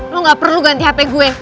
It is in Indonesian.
lo gak perlu ganti hp gue